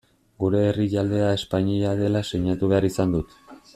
Gure herrialdea Espainia dela sinatu behar izan dut.